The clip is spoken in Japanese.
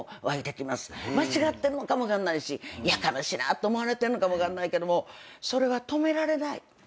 間違ってんのかも分かんないしやかましいなと思われてんのかも分かんないけどもそれは止められない。